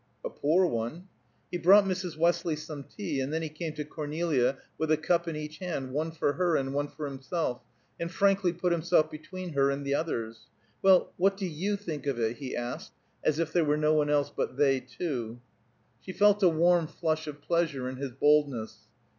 "A poor one." He brought Mrs. Westley some tea, and then he came to Cornelia with a cup in each hand, one for her, and one for himself, and frankly put himself between her and the others. "Well, what do you think of it?" he asked, as if there were no one else but they two. She felt a warm flush of pleasure in his boldness.